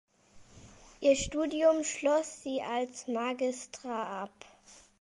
Ihr Studium schloss sie als Magistra ab.